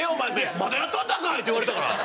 「まだやっとったんかい」って言われたから。